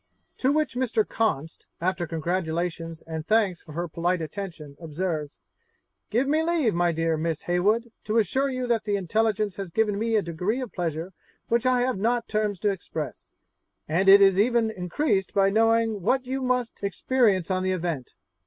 To which Mr. Const, after congratulations and thanks for her polite attention, observes, 'Give me leave, my dear Miss Heywood, to assure you that the intelligence has given me a degree of pleasure which I have not terms to express, and it is even increased by knowing what you must experience on the event.